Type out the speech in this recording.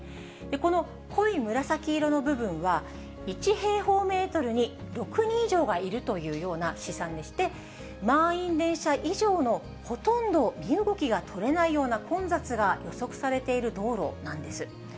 この濃い紫色の部分は、１平方メートルに６人以上がいるというような試算でして、満員電車以上の、ほとんど身動きが取れないような混雑が予測されている道路なんです。